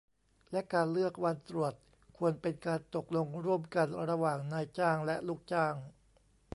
และการเลือกวันตรวจ ควรเป็นการตกลงร่วมกัน ระหว่างนายจ้างและลูกจ้าง